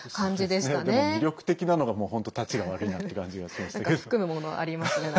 でも、魅力的なのが本当たちが悪いなっていう感じがしましたけど。